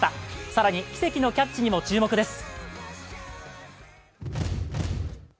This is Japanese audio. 更に奇跡のキャッチにも注目です。